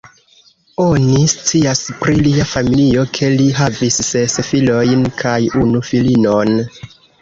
Oni scias pri lia familio, ke li havis ses filojn kaj unu filinon.